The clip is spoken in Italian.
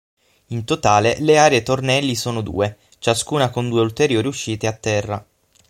In totale le aree tornelli sono due, ciascuna con due ulteriori uscite a terra.